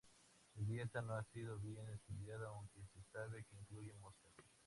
Su dieta no ha sido bien estudiada, aunque se sabe que incluye moscas.